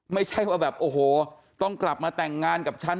ไม่ใช่ว่าแบบโอ้โหต้องกลับมาแต่งงานกับฉัน